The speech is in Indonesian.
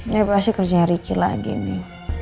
ya pasti kerja ricky lagi nih